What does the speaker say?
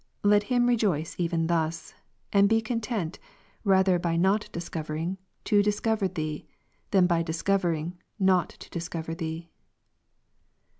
Let him rejoice even thus; and be content rather by not discovering to discover Thee, than by discovering not to discover Thee.